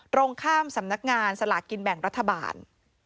ตรงข้ามสำนักงานสลากกินแบ่งรัฐบาล